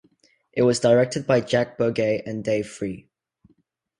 It was directed by Jack Berget and Dave Free.